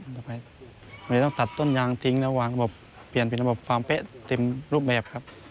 ไม่ต้องตัดต้นยางทิ้งแล้ววางระบบเปลี่ยนเป็นระบบฟาร์มเป๊ะทิ้งรูปแบบครับ